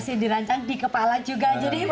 masih dirancang di kepala juga jadi